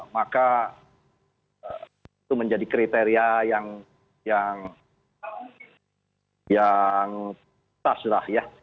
maka itu menjadi kriteria yang penting